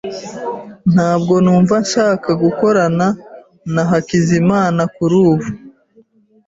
Ntabwo numva nshaka gukorana na Hakizimana kurubu.